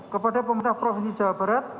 kepada pemerintah provinsi jawa barat